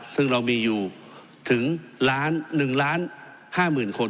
ซึ่งเรามีอยู่ถึง๑๕๐๐๐คน